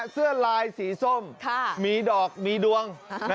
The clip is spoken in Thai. เสื้อลายสีส้มมีดอกมีดวง